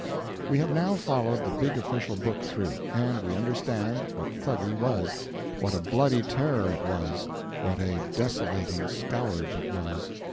We have now followed the big official book through, and we understand what Thuggee was, what a bloody terror it was, what a desolating scourge it was.